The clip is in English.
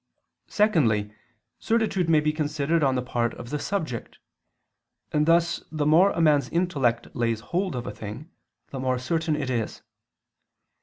Secondly, certitude may be considered on the part of the subject, and thus the more a man's intellect lays hold of a thing, the more certain it is.